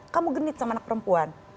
kamu genit sama anak perempuan